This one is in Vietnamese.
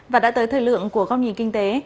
và đã tới thời lượng của góc nhìn kinh tế